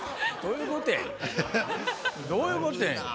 どういうことやねん。